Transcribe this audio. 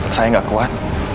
saya gak kuat